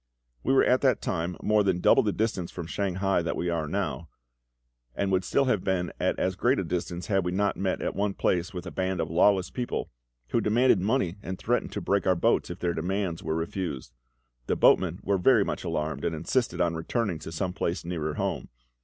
We were at that time more than double the distance from Shanghai that we are now, and would still have been at as great a distance had we not met at one place with a band of lawless people, who demanded money and threatened to break our boats if their demands were refused. The boatmen were very much alarmed, and insisted on returning to some place nearer home.